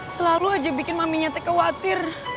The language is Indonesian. selalu aja bikin maminya khawatir